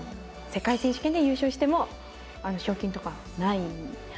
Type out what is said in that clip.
世界選手権で優勝しても賞金とかはない。